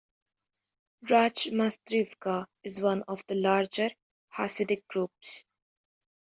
Rachmastrivka is one of the larger Hasidic groups.